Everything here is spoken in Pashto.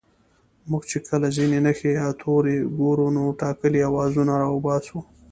موږ چې کله ځينې نښې يا توري گورو نو ټاکلي آوازونه راوباسو